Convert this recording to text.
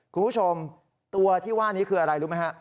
คุณผู้ชมตัวที่ว่านี้คืออะไรรู้ไหมฮะ